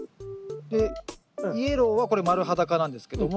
でイエローはこれ丸裸なんですけども。